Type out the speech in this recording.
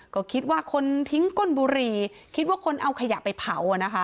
ก็คิดว่าคนทิ้งก้นบุหรี่คิดว่าคนเอาขยะไปเผาอ่ะนะคะ